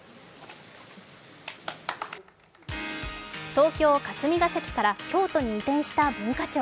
東京・霞が関から京都に移転した文化庁。